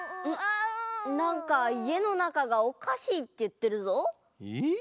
なんかいえのなかがおかしいっていってるぞ。え？